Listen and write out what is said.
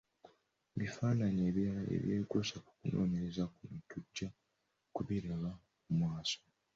Ebifaananyi ebirala ebyekuusa ku kunoonyereza kuno tujja kubiraba mu maaso.